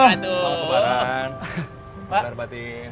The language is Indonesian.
waalaikumsalam warahmatullahi wabarakatuh